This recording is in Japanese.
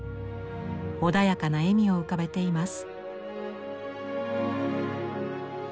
穏やかな笑みを浮かべています。